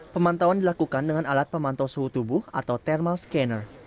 pemantauan dilakukan dengan alat pemantau suhu tubuh atau thermal scanner